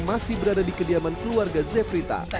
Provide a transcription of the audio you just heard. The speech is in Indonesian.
masih berada di kediaman keluarga zefri tan